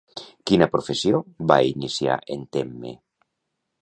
Quina professió va iniciar en Temme?